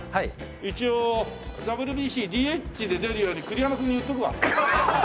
一応ＷＢＣＤＨで出るように栗山君に言っておくわ。